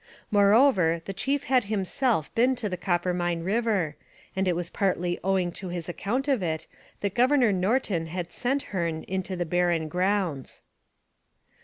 Moreover, the chief had himself been to the Coppermine river, and it was partly owing to his account of it that Governor Norton had sent Hearne into the barren grounds.